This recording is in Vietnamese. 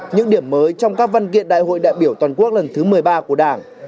những điểm mới trong các văn kiện đại hội đại biểu toàn quốc lần thứ một mươi ba của đảng